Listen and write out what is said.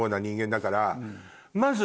まず。